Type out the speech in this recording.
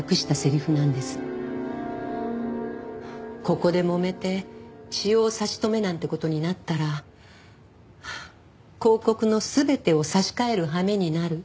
ここでもめて使用差し止めなんて事になったら広告の全てを差し替えるはめになる。